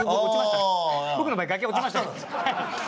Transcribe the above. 僕の場合崖落ちましたね。